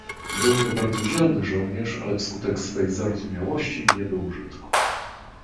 "Był to bardzo dzielny żołnierz, ale wskutek swej zarozumiałości nie do użytku."